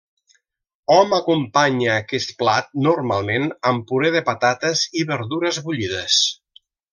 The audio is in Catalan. Hom acompanya aquest plat normalment amb puré de patates i verdures bullides.